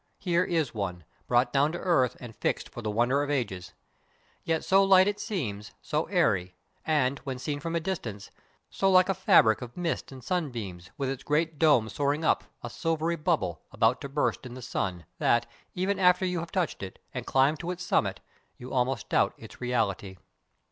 Here is one, brought down to earth, and fixed for the wonder of ages; yet so light it seems, so airy, and, when seen from a distance, so like a fabric of mist and sun beams, with its great dome soaring up, a silvery bubble, about to burst in the sun, that, even after you have touched it, and climbed to its summit, you almost doubt its reality.